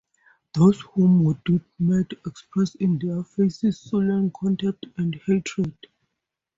Those whom we did meet expressed in their faces sullen contempt and hatred.